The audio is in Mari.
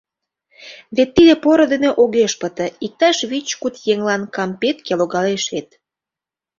Вет тиде поро дене огеш пыте, иктаж вич-куд еҥлан «кампетке» логалеш вет...